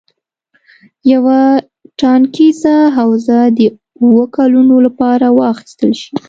یوه ټاکنیزه حوزه د اووه کلونو لپاره واخیستل شي.